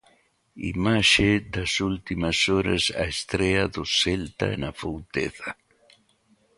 Imaxe das últimas horas, a estrea do Celta en Afouteza.